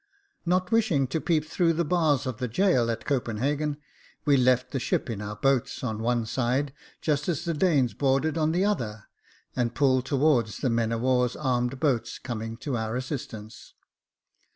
Not wishing to peep through the bars of the gaol at Copen hagen, we left the ship in our boats on one side, just as the Danes boarded on the other, and pulled towards the men of war's armed boats coming to our assistance.